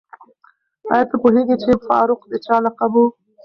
آیا ته پوهېږې چې فاروق د چا لقب و؟